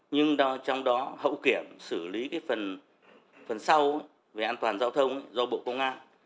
nhưng trong đó hậu kiểm xử lý cái phần sau về an toàn giao thông do bộ công an